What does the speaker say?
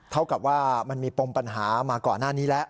เท่ากับว่ามันมีปมปัญหามาก่อนหน้านี้แล้ว